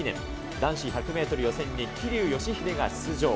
男子１００メートル予選に、桐生祥秀が出場。